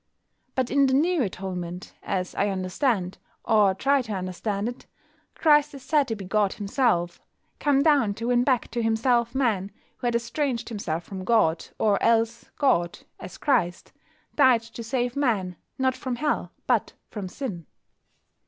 But in the new Atonement, as I understand, or try to understand it, Christ is said to be God Himself, come down to win back to Himself Man, who had estranged himself from God, or else God (as Christ) died to save Man, not from Hell, but from Sin.